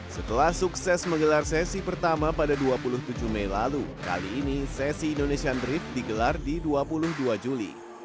setelah sukses menggelar sesi pertama pada dua puluh tujuh mei lalu kali ini sesi indonesian drift digelar di dua puluh dua juli